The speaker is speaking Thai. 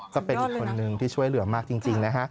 ก็เป็นอีกคนนึงที่ช่วยเหลือมากจริงนะฮะ